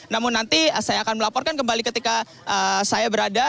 namun nanti saya akan melaporkan kembali ketika saya berada